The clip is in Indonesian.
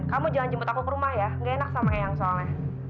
kamu jalan jemput aku ke rumah ya nggak enak sama kayak yang soalnya